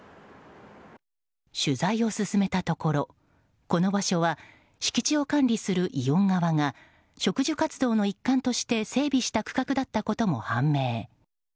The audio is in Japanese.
取材を進めたところ、この場所は敷地を管理するイオン側が植樹活動の一環として整備した区画だったことも判明。